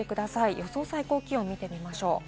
予想最高気温を見てみましょう。